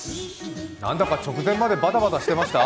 何だか直前までバタバタしてました？